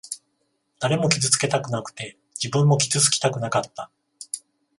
誰も傷つけたくなくて、自分も傷つきたくなかった。